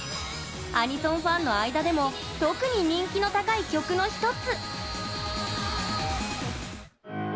アニソンファンの間でも特に人気の高い曲の一つ。